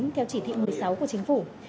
theo chỉ thị một mươi sáu của chính phủ